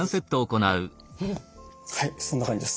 はいそんな感じです。